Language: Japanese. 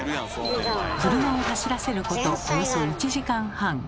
車を走らせることおよそ１時間半。